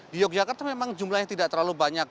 di yogyakarta memang jumlahnya tidak terlalu banyak